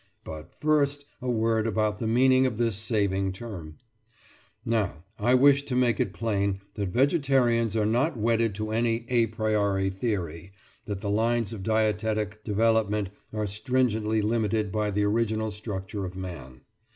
But, first, a word about the meaning of this saving term. Now, I wish to make it plain that vegetarians are not wedded to any a priori theory that the lines of dietetic development are stringently limited by the original structure of man.